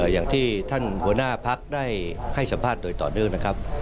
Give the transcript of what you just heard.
อย่างที่ท่านหัวหน้าพักได้ให้สัมภาษณ์โดยต่อเนื่องนะครับ